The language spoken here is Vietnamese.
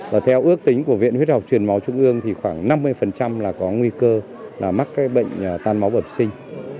và theo ước tính của viện huyết học truyền máu trung ương thì khoảng năm mươi là có nguy cơ là mắc các bệnh tan máu bẩm sinh